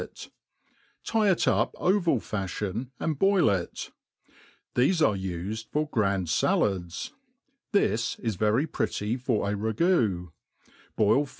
it; tie it up oval fj^fbion, and boil it. Thefe are ufed for grand fallads. This is very pretty for a ragoo, boil fi?